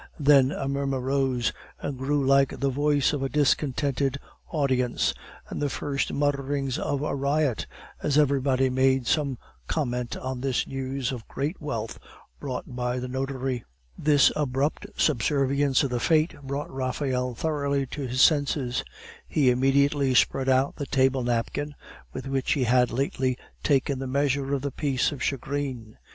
Then a murmur rose, and grew like the voice of a discontented audience, or the first mutterings of a riot, as everybody made some comment on this news of great wealth brought by the notary. This abrupt subservience of fate brought Raphael thoroughly to his senses. He immediately spread out the table napkin with which he had lately taken the measure of the piece of shagreen.